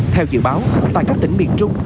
theo dự báo tại các tỉnh miền trung